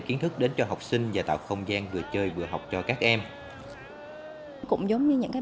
kiến thức đến cho học sinh và tạo không gian vừa chơi vừa học cho các em cũng giống như những cái